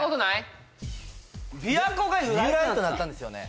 琵琶湖が由来由来となったんですよね？